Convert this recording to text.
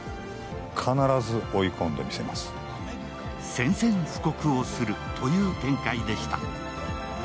宣戦布告をするという展開でした。